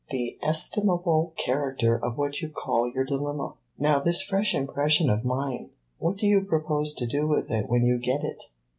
the estimable character of what you call your dilemma. Now this fresh impression of mine what do you propose to do with it when you get it?"